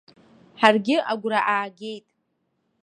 Ҳаргьы агәра аагеит.